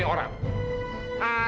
siapa yang merubuk suami orang